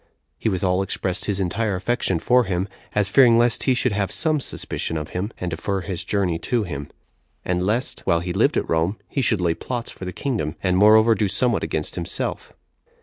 He withal expressed his entire affection for him, as fearing lest he should have some suspicion of him, and defer his journey to him; and lest, while he lived at Rome, he should lay plots for the kingdom, and, moreover, do somewhat against himself.